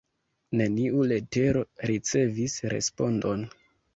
Neniu letero ricevis respondon.